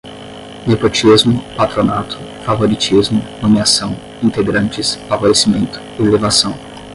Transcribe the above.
nepotismo, patronato, favoritismo, nomeação, integrantes, favorecimento, elevação